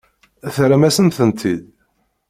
Terram-asen-tent-id?